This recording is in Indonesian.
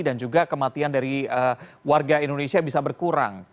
dan juga kematian dari warga indonesia bisa berkurang